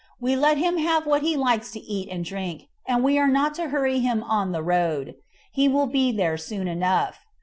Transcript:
We let him have what he likes to eat and drink, and we are not to hurry him on the road. He will be there soon enough.